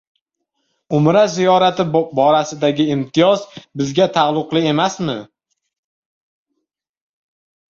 Umra ziyorati borasidagi imtiyoz bizga taalluqli emasmi?